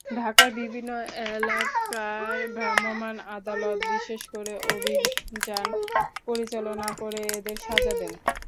ঢাকার বিভিন্ন এলাকায় ভ্রাম্যমাণ আদালত বিশেষ অভিযান পরিচালনা করে এদের সাজা দেন।